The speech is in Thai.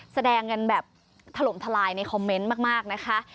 แสดงกันแบบถล่มทลายในคอมเมนต์มากนะคะ